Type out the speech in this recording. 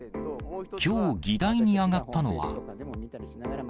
きょう、議題に上がったのは。